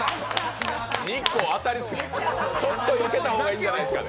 日光、当たりすぎ、ちょっとよけた方がいいんじゃないですか。